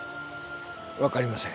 わかりません。